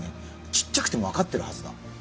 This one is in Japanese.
ちっちゃくても分かってるはずだ。